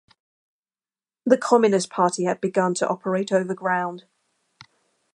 The Communist Party had begun to operate over-ground.